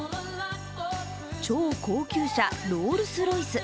超高級車、ロールス・ロイス。